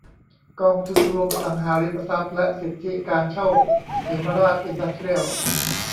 กองทุนรวมอสังหาริมทรัพย์และสิทธิการเช่าเหมราชอินดัสเตรียล